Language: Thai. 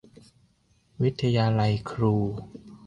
วิทยาลัยครู